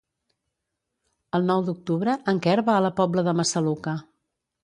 El nou d'octubre en Quer va a la Pobla de Massaluca.